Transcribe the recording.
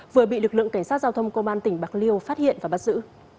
vừa bị lực lượng cảnh sát giao thông công an tỉnh bạc liêu phát hiện và bắt giữ